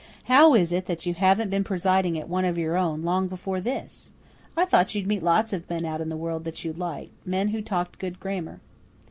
"How is it that you haven't been presiding at one of your own long before this? I thought you'd meet a lots of men out in the world that you'd like men who talked good grammar."